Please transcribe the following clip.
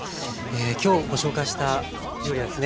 今日ご紹介した料理はですね